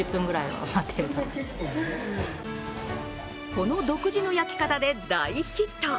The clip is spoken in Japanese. この独自の焼き方で大ヒット。